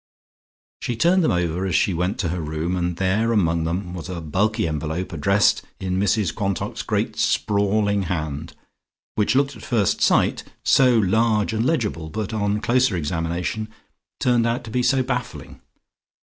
She turned them over as she went to her room, and there among them was a bulky envelope addressed in Mrs Quantock's great sprawling hand, which looked at first sight so large and legible, but on closer examination turned out to be so baffling.